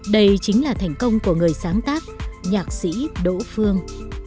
đây chính là thành công của người sáng tác nhạc sĩ đỗ phương